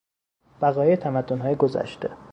بقایای تمدنهای گذشته